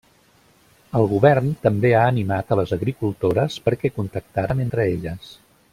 El govern també ha animat a les agricultores perquè contactaren entre elles.